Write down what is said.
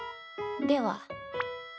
では。